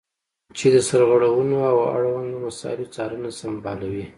چې د سرغړونو او اړوندو مسایلو څارنه سمبالوي.